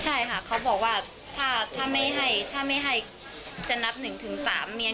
ใช่ค่ะเขาบอกว่าถ้าถ้าไม่ให้ถ้าไม่ให้จะนับหนึ่งถึงสามเมียน